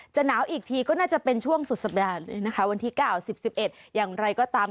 หนาวอีกทีก็น่าจะเป็นช่วงสุดสัปดาห์เลยนะคะวันที่๙๐๑๑อย่างไรก็ตาม